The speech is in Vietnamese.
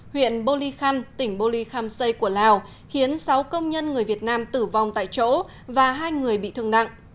huyện bô ly khăm tỉnh bô ly khăm xây của lào khiến sáu công nhân người việt nam tử vong tại chỗ và hai người bị thương nặng